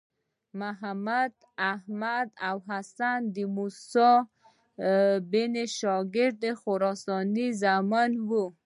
محمد، احمد او حسن د موسی بن شاګر خراساني زامن وو.